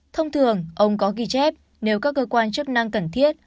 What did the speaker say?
thông thường ông có ghi chép nếu các cơ quan chức năng cần thiết